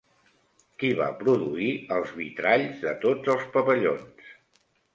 Qui va produir els vitralls de tots els pavellons?